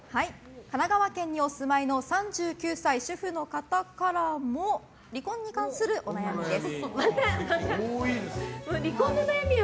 神奈川県にお住まいの３９歳、主婦の方からも離婚に関するお悩みです。